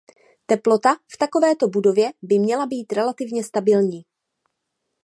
Teplota v takovéto budově by měla být relativně stabilní.